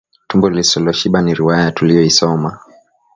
Tumbo lisiloshiba ni riwaya tuliyoisoma